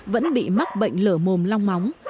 vẫn bị mắc bệnh lờ mồm long móng